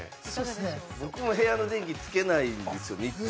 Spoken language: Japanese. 僕も日中、部屋の電気つけないですよ。